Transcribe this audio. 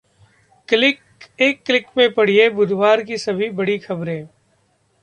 एक क्लिक में पढ़िए बुधवार की सभी बड़ी खबरें